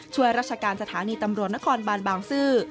ช่วยราชการสถานีตำรวจนครบานบางซื่อ